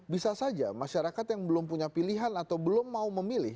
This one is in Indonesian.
bisa saja masyarakat yang belum punya pilihan atau belum mau memilih